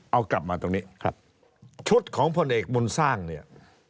เอากลับมาตรงนี้ครับชุดของพลเอกบุญสร้างเนี่ย